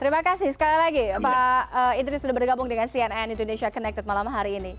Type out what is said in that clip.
terima kasih sekali lagi pak idris sudah bergabung dengan cnn indonesia connected malam hari ini